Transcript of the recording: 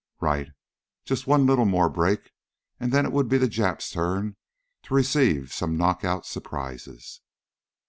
Right! Just one little more break, and then it would be the Japs' turn to receive some knockout surprises.